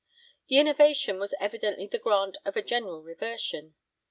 ' The 'innovation' was evidently the grant of a 'general reversion.'